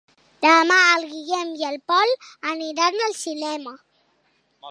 Demà en Guillem i en Pol aniran al cinema.